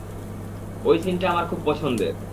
ওই সিনটা আমার খুব পছন্দের।